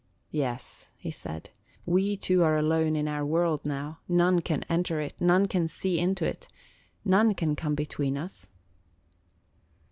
"Yes," he said, "we two are alone in our world now; none can enter it; none can see into it; none can come between us."